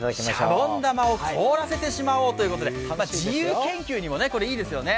シャボン玉を凍らせてみようということで、自由研究にもいいですよね。